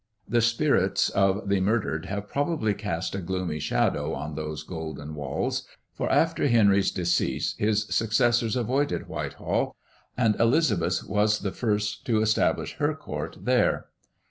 The spirits of the murdered have probably cast a gloomy shadow on those golden walls, for after Henry's decease his successors avoided Whitehall, and Elizabeth was the first to establish her court there.